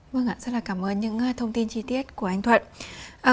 vâng ạ rất là cảm ơn những thông tin chi tiết của anh thuận